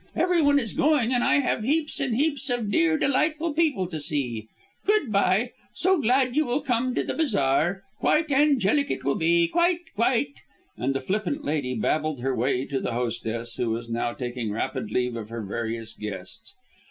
Everyone is going and I have heaps and heaps of dear, delightful people to see. Good bye! so glad you will come to the bazaar. Quite angelic it will be quite quite." And the flippant lady babbled her way to the hostess, who was now taking rapid leave of her various guests.